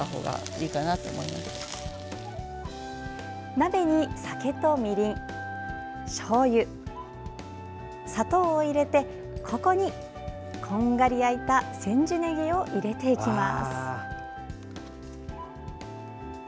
鍋に、酒とみりんしょうゆ、砂糖を入れてここに、こんがり焼いた千住ねぎを入れていきます。